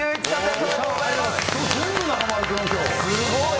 すごい。